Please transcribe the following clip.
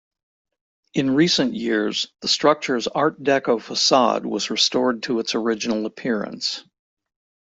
In recent years, the structure's Art Deco facade was restored to its original appearance.